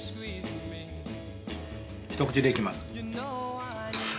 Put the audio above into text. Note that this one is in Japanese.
ひと口でいきます。